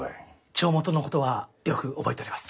帳元のことはよく覚えております。